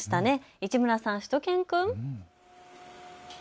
市村さん、しゅと犬くん。